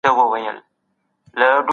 هغوی تېر کال يو ښه پلان درلود.